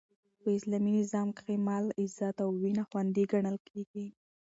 په اسلامي نظام کښي مال، عزت او وینه خوندي ګڼل کیږي.